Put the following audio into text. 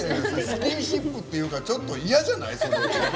スキンシップっていうかちょっと嫌じゃない？